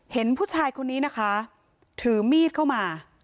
เห็นผู้ชายคนนี้นะคะถือมีดเข้ามา